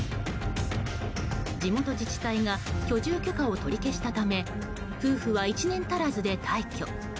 地元自治体が居住許可を取り消したため夫婦は１年足らずで退去。